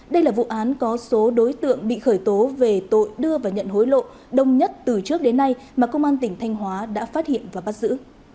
đây là vụ án có số đối tượng bị khởi tố về tội đưa và nhận hối lộ đông nhất từ trước đến nay mà công an tỉnh thanh hóa đã phát hiện và bắt giữ